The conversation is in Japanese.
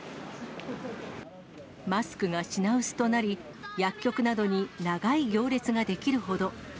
マスクが品薄となり、薬局などに長い行列が出来るほど。